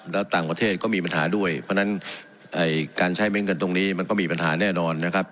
แล้วต่างประเทศก็มีปัญหาด้วยเพราะฉะนั้นการใช้เม้งกันตรงนี้มันก็มีปัญหาแน่นอนนะครับ